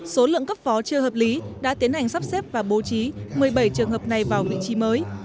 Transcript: số lượng cấp phó chưa hợp lý đã tiến hành sắp xếp và bố trí một mươi bảy trường hợp này vào vị trí mới